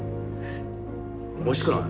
おいしくない？